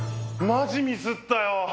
マジミスったよ。